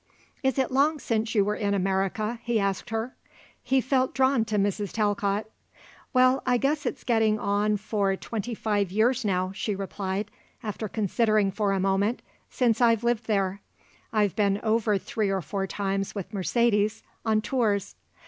"Is it long since you were in America?" he asked her. He felt drawn to Mrs. Talcott. "Why, I guess it's getting on for twenty five years now," she replied, after considering for a moment; "since I've lived there. I've been over three or four times with Mercedes; on tours."